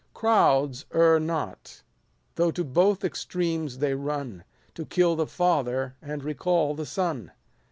Crowds err not, though to both extremes they run ; To kill the father, and recall the son.